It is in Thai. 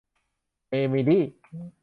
เอมิลี่